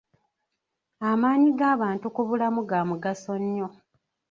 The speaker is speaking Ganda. Amaanyi g'abantu ku bulamu ga mugaso nnyo.